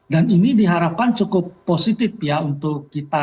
dan ini diharapkan cukup positif ya untuk kita